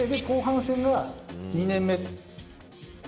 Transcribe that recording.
後半戦が２年目。